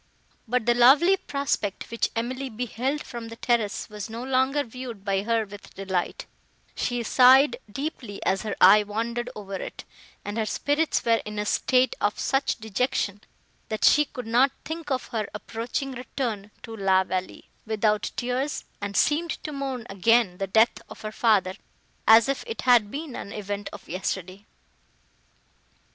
But the lovely prospect, which Emily beheld from the terrace, was no longer viewed by her with delight; she sighed deeply as her eye wandered over it, and her spirits were in a state of such dejection, that she could not think of her approaching return to La Vallée, without tears, and seemed to mourn again the death of her father, as if it had been an event of yesterday.